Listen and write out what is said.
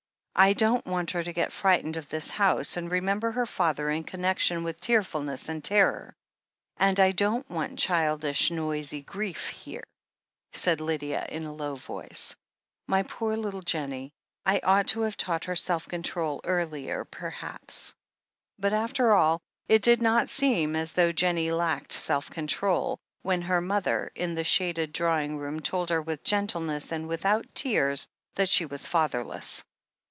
''I don't want her to get frightened of this house and remember her father in connection with tearfulness and terror. And I don't want childish, noisy grief here," said Lydia in a low voice. "My poor little Jennie! I ought to have taught her self control earUer, per haps." But, after all, it did not seem as though Jennie lacked self control, when her mother, in the shaded drawing room, told her with gentleness and without tears that she was fatherless.